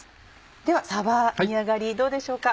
ではさば煮上がりどうでしょうか？